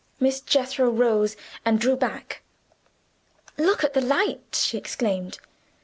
Miss Jethro rose, and drew back. "Look at the light!" she exclaimed.